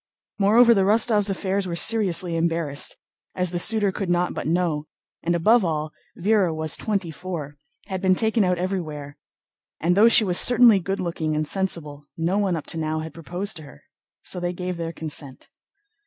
Moreover, the Rostóvs' affairs were seriously embarrassed, as the suitor could not but know; and above all, Véra was twenty four, had been taken out everywhere, and though she was certainly good looking and sensible, no one up to now had proposed to her. So they gave their consent.